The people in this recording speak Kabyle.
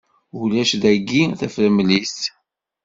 Ulac dayi tafremlit.